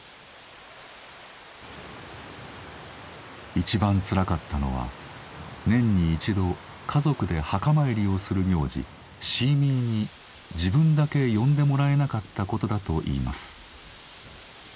一番つらかったのは年に一度家族で墓参りをする行事シーミーに自分だけ呼んでもらえなかったことだといいます。